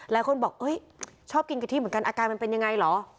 หลายคนบอกชอบกินกะทิเหมือนกันอาการมันเป็นยังไงเหรอ